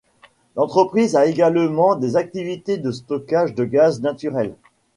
L'entreprise a également des activités de stockage de gaz naturel.